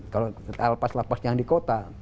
kalau pas pas yang di kota